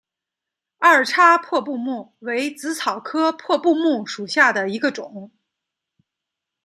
二叉破布木为紫草科破布木属下的一个种。